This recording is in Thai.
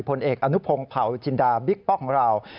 ผลเอกอนุพงศ์เผาจินดาบิ๊กป๊อกของเรา